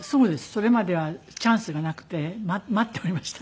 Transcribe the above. それまではチャンスがなくて待っておりました。